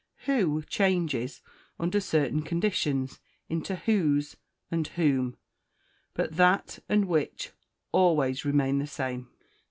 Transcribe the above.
Who changes, under certain conditions, into whose and whom. But that and which always remain the same.